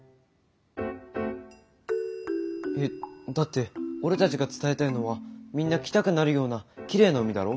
えだって俺たちが伝えたいのはみんな来たくなるようなきれいな海だろ？